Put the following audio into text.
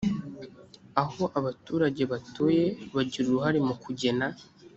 aho abaturage batuye bagira uruhare mu kugena